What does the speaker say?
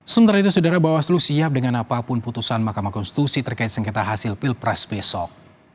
sementara itu saudara bawaslu siap dengan apapun putusan mahkamah konstitusi terkait sengketa hasil pilpres besok